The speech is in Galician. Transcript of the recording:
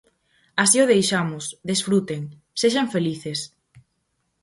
Así o deixamos, desfruten, sexan felices.